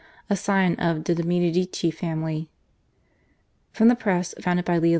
a scion of de' Medici family. From the press founded by Leo X.